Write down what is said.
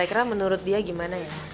kira kira menurut dia gimana ya